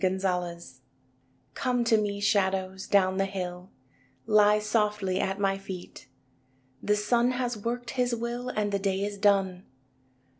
CONSOLATION I Come to me, shadows, down the hill, Lie softly at my feet. The sun has worked his will And the day is done.